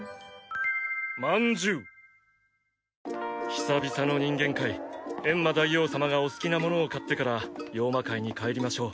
久々の人間界エンマ大王様がお好きなものを買ってから妖魔界に帰りましょう。